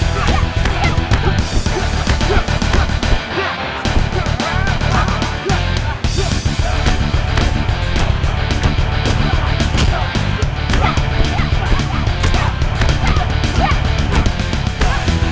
tuhan tidak mau berhubung